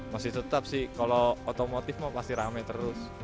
masih tetap sih kalau otomotif pasti rame terus